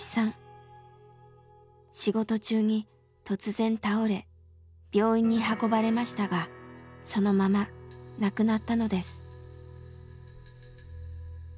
仕事中に突然倒れ病院に運ばれましたがそのまま亡くなったのです。